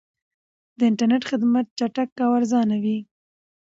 د انټرنیټ خدمات چټک او ارزانه وي.